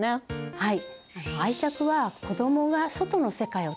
はい。